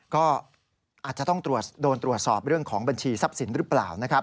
ก็อาจจะต้องโดนตรวจสอบเรื่องของบัญชีทรัพย์สินหรือเปล่านะครับ